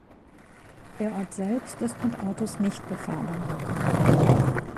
Der Ort selbst ist mit Autos nicht befahrbar.